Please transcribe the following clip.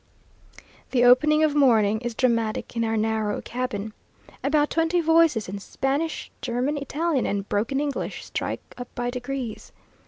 The opening of morning is dramatic in our narrow cabin. About twenty voices in Spanish, German, Italian, and broken English, strike up by degrees.